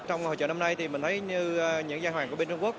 trong hội trợ năm nay thì mình thấy như những giai hoàng của bên trung quốc